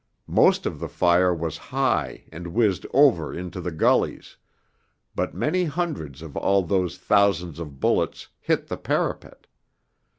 Most of the fire was high and whizzed over into the gullies, but many hundreds of all those thousands of bullets hit the parapet.